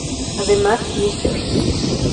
Además, Mrs.